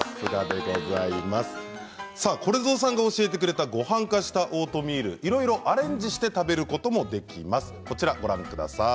これぞうさんが教えてくれたごはん化したオートミールいろいろアレンジして食べることもできます。